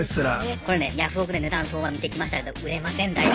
これねヤフオクで値段相場見てきましたけど売れません大丈夫。